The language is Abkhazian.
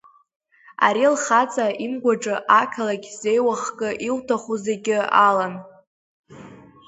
Ари лхаҵа имгәаҿы ақалақь зеиуахкы иуҭаху зегьы алан.